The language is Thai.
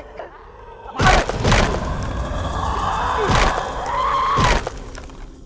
อย่าเข้ามานะเว้ย